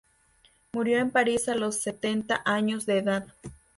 Murió en París a los setenta años de edad.